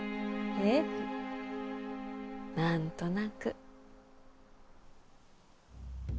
ええ何となく。